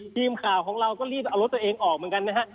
ทีมข่าวของเราก็รีบเอารถตัวเองออกเหมือนกันนะฮะ